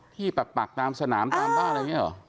ที่ปากปากตามสนามตามบ้านอะไรอย่างนี้หรอ